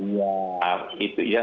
wah gitu ya